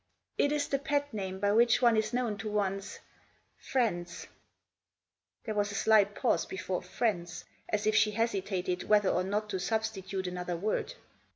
It is the pet name by which one is known to one's — friends !" There was a slight pause before " friends "; as if she hesitated whether or not to substitute another word.